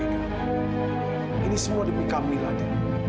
semua ini demi kamila tim